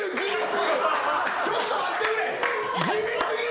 ちょっと待ってくれ。